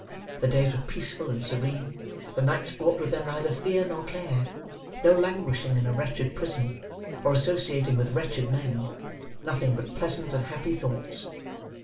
The days were peaceful and serene; the nights brought with them neither fear nor care; no languishing in a wretched prison, or associating with wretched men; nothing but pleasant and happy thoughts.